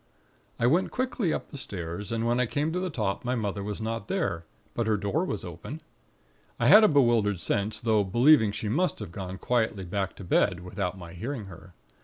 "I went quickly up the stairs, and when I came to the top, my mother was not there; but her door was open. I had a bewildered sense though believing she must have gone quietly back to bed, without my hearing her.